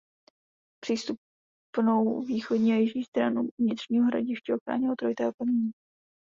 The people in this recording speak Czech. Přístupnou východní a jižní stranu vnitřního hradiště chránilo trojité opevnění.